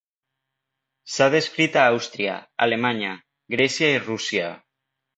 S'ha descrit a Àustria, Alemanya, Grècia i Rússia.